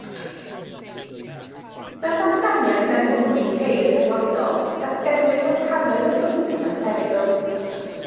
Mewn datganiad gan gwmni ceir rhyngwladol, datgelwyd bod cannoedd o swyddi mewn perygl.